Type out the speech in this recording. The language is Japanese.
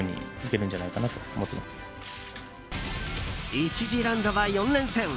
１次ラウンドは４連戦。